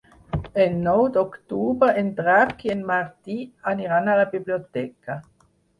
El nou d'octubre en Drac i en Martí aniran a la biblioteca.